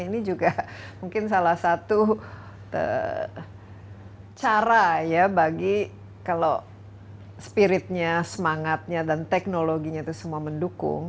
ini juga mungkin salah satu cara ya bagi kalau spiritnya semangatnya dan teknologinya itu semua mendukung